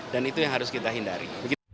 dan itu yang harus kita hindari